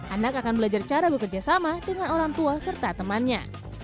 anak akan belajar cara bekerja sama dengan orang tua serta temannya